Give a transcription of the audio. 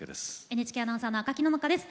ＮＨＫアナウンサーの赤木野々花です。